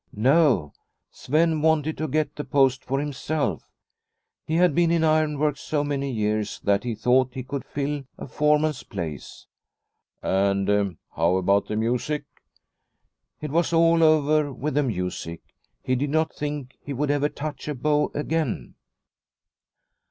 " No ; Sven wanted to get the post for himself. He had been in ironworks so many years that he thought he could fill a foreman's place. " And how about the music ?" It was all over with the music. He did not think he would ever touch a bow again.